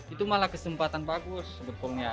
itu malah kesempatan bagus sebetulnya